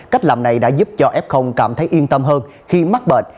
cách làm này đã giúp cho f cảm thấy yên tâm hơn khi mắc bệnh